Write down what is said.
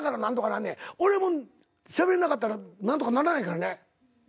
俺しゃべんなかったら何とかならへんからね。